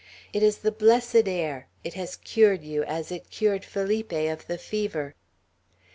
It is the blessed air; it has cured you, as it cured Felipe of the fever."